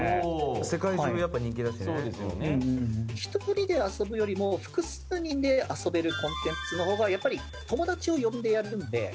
１人で遊ぶよりも複数人で遊べるコンテンツの方がやっぱり友達を呼んでやるのでユーザー数が増えやすい。